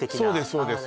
そうです